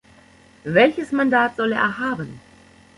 Welches Mandat soll er haben?